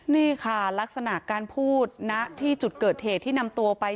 นี่ค่ะลักษณะการพูดณที่จุดเกิดเหตุที่นำตัวไป